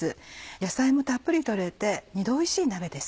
野菜もたっぷり取れて２度おいしい鍋です。